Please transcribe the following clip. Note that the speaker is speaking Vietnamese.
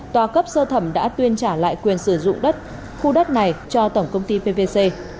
tòa cấp sơ thẩm đã tuyên trả lại quyền sử dụng đất khu đất này cho tổng công ty pvc